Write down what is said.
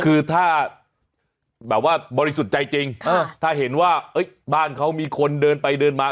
คือถ้าแบบว่าบริสุทธิ์ใจจริงถ้าเห็นว่าบ้านเขามีคนเดินไปเดินมา